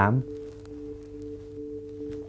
๔ประเทศ